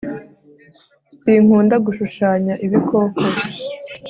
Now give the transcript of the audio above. sinkunda gushushanya ibikoko